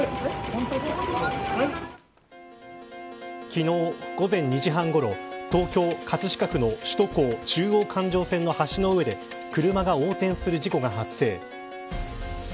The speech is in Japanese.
昨日、午前２時半ごろ東京、葛飾区の首都高中央環状線の橋の上で車が横転する事故が発生。